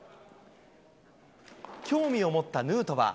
興味を持ったヌートバー。